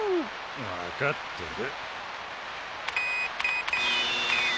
・わかってる。